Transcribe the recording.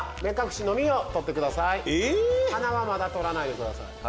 鼻はまだ取らないでください。